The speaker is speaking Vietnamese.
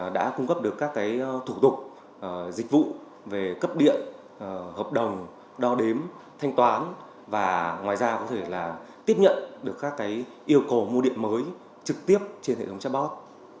đã cung cấp được các thủ tục dịch vụ về cấp điện hợp đồng đo đếm thanh toán và ngoài ra có thể là tiếp nhận được các yêu cầu mua điện mới trực tiếp trên hệ thống chatbot